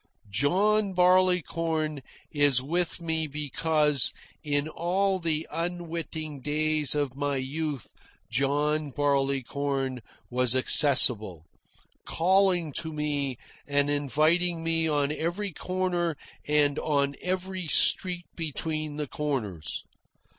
John Barleycorn is with me because in all the unwitting days of my youth John Barleycorn was accessible, calling to me and inviting me on every corner and on every street between the corners.